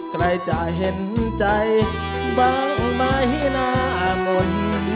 ใครจะเห็นใจบ้างไม้นามน